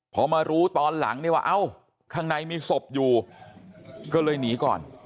พอมารู้ตอนหลังเนี่ยว่าเอ้าข้างในมีศพอยู่ก็เลยหนีก่อน